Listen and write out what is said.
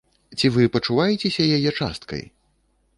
Ці вы пачуваецеся яе часткай?